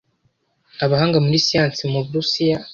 Abahanga muri siyansi mu Burusiya